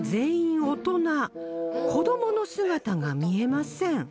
子どもの姿が見えません